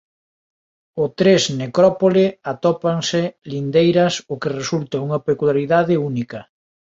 O tres necrópole atópanse lindeiras o que resulta unha peculiaridade única.